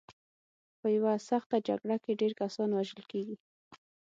په یوه سخته جګړه کې ډېر کسان وژل کېږي.